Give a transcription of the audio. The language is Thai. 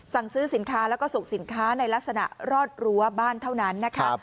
สั่งซื้อสินค้าแล้วก็ส่งสินค้าในลักษณะรอดรั้วบ้านเท่านั้นนะคะ